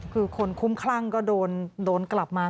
คือคนคุ้มคลั่งก็โดนกลับมา